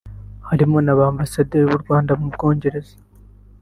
barimo na Ambasaderi w’u Rwanda mu Bwongereza